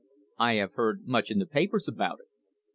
I have heard much in the papers about it.